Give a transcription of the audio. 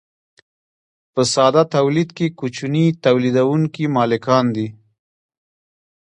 په ساده تولید کې کوچني تولیدونکي مالکان دي.